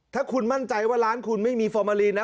ถ้าคุณมั่นใจว่าร้านคุณไม่มีฟอร์มาลีนนะ